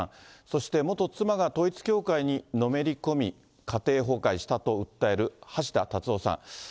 そして元妻が統一教会にのめり込み、家庭崩壊したと訴える橋田達夫さん。